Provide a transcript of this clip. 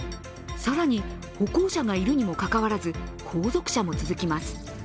更に、歩行者がいるにもかかわらず後続車も続きます。